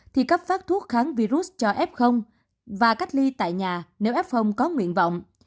thì cấp phát thuốc kháng virus cho f và cách ly tại nhà nếu f có nguyện vọng